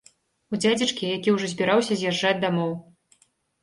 У дзядзечкі, які ўжо збіраўся з'язджаць дамоў.